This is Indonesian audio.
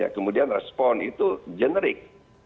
kemudian respon itu generik